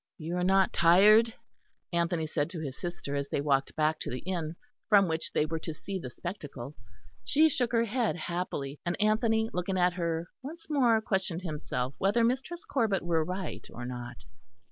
"You are not tired?" Anthony said to his sister, as they walked back to the inn from which they were to see the spectacle. She shook her head happily; and Anthony, looking at her, once more questioned himself whether Mistress Corbet were right or not.